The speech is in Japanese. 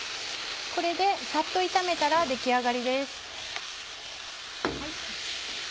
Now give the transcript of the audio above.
これでサッと炒めたら出来上がりです。